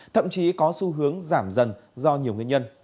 thậm chí có xu hướng giảm dần do nhiều nguyên nhân